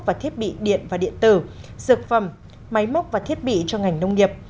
và thiết bị điện và điện tử dược phẩm máy móc và thiết bị cho ngành nông nghiệp